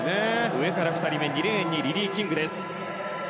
上から２人目２レーン、リリー・キング。